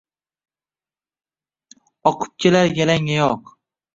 Oqib kelar yalangoyoq —